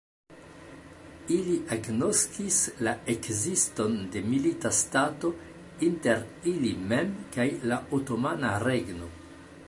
Ili agnoskis la ekziston de milita stato inter ili mem kaj la Otomana Regno.